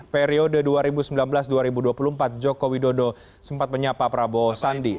periode dua ribu sembilan belas dua ribu dua puluh empat jokowi dodo sempat menyapa prabowo sandi